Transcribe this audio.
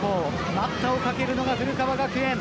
待ったをかけるのが古川学園。